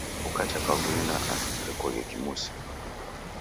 Ukacha kavui na andu nerekoghe kimusi.